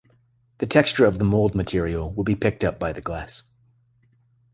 The texture of the mold material would be picked up by the glass.